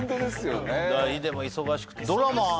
ヒデも忙しくて。